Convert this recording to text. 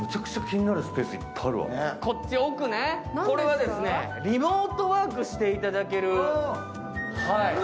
こっち奥ね、これはリモートワークしていただける。